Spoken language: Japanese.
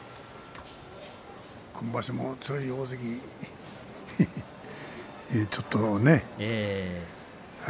今場所も強い大関ちょっとね。